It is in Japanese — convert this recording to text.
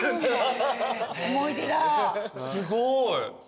すごい。